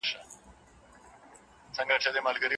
ملکیار هوتک یو پخوانی شاعر دی.